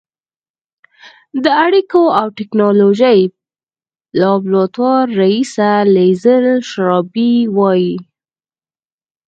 د اړیکو او ټېکنالوژۍ لابراتوار رییسه لیزل شرابي وايي